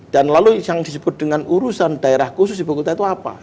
dan lalu yang disebut dengan urusan daerah khusus ibu kota itu apa